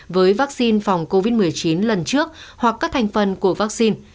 với vaccine phòng covid một mươi chín lần trước hoặc các thành phần của vaccine